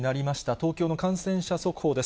東京の感染者速報です。